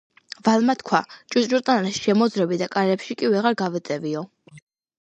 ვალმა სთქვა: ჭუჭრუტანაში შემოვძვრები და კარებში კი ვეღარ გავეტევიო.